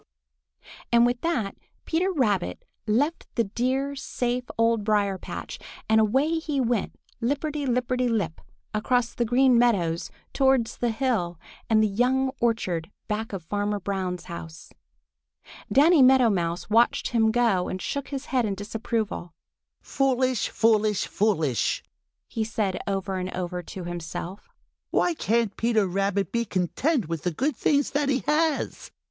And with that, Peter Rabbit left the dear safe Old Briar patch, and away he went lipperty lipperty lip, across the Green Meadows towards the hill and the young orchard back of Farmer Brown's house. Danny Meadow Mouse watched him go and shook his head in disapproval. "Foolish, foolish, foolish!" he said over and over to himself. "Why can't Peter be content with the good things that he has?"